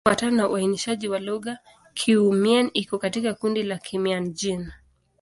Kufuatana na uainishaji wa lugha, Kiiu-Mien iko katika kundi la Kimian-Jin.